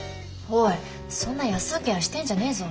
おいそんな安請け合いしてんじゃねえぞ。